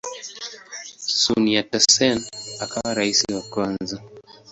Sun Yat-sen akawa rais wa kwanza.